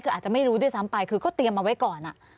ไม่ได้รู้ทรัพย์ปลายคือก็เตรียมเอาไว้ก่อน